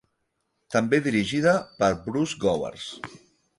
També dirigida per Bruce Gowers.